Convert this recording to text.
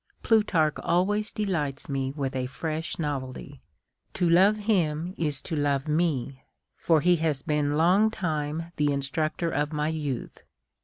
Plutarch always delights me with a fresh novelty. To love him is to love me ; for he has been long time the instructor of my youth.